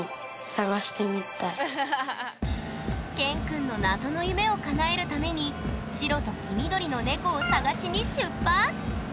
ＫＥＮくんの謎の夢をかなえるために白と黄緑の猫を探しに出発！